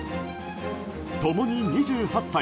共に２８歳。